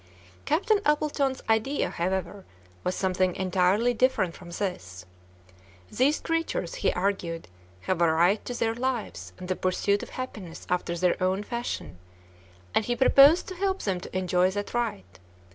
Captain Appleton's idea, however, was something entirely different from this. These creatures, he argued, have a right to their lives and the pursuit of happiness after their own fashion, and he proposed to help them to enjoy that right.